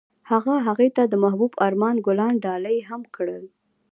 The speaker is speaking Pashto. هغه هغې ته د محبوب آرمان ګلان ډالۍ هم کړل.